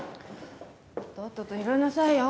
とっとと拾いなさいよ。